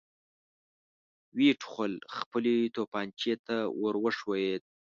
ويې ټوخل، خپلې توپانچې ته ور وښويېد.